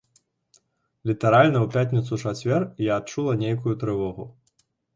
Літаральна ў пятніцу-чацвер я адчула нейкую трывогу.